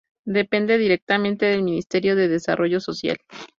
Depende directamente del Ministerio de Desarrollo Social.